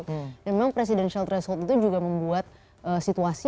dan memang presidential threshold itu juga membuat situasi yang